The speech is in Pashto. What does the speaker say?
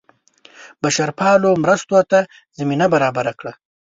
بشرپالو مرستو ته زمینه برابره کړه.